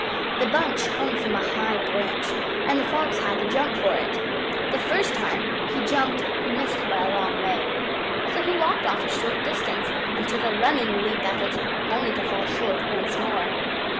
The bunch hung from a high branch, and the Fox had to jump for it. The first time he jumped he missed it by a long way. So he walked off a short distance and took a running leap at it, only to fall short once more.